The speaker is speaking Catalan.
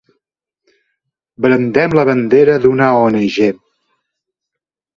Brandem la bandera d'una oenagé.